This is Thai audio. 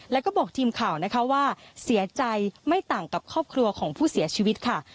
แล้วก็บอกทีมข่าวนะคะว่าเสียใจไม่ต่างกับครอบครัวของผู้เสียชีวิตค่ะ